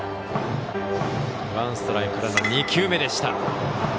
ワンストライクからの２球目でした。